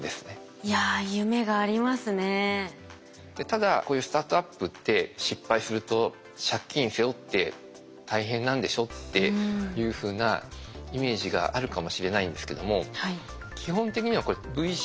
ただこういうスタートアップって失敗すると借金背負って大変なんでしょっていうふうなイメージがあるかもしれないんですけども。